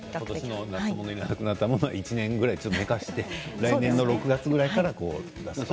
今年の夏のいらなくなったものは１年ぐらい寝かせて来年の６月ぐらいから出す。